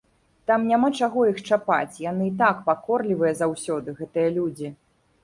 Там няма чаго іх чапаць, яны й так пакорлівыя заўсёды, гэтыя людзі.